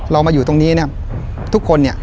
เรามาอยู่ตรงนี้เนี่ยทุกคนเนี่ย